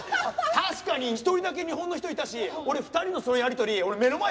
確かに一人だけ日本の人いたし俺２人のそのやり取り目の前で見てたよ。